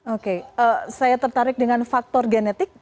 oke saya tertarik dengan faktor genetik